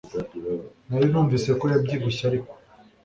Nari numvise ko yabyibushye ariko